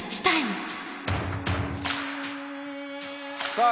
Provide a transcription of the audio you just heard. さあ